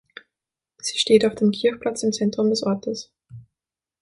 Sie steht auf dem Kirchplatz im Zentrum des Ortes.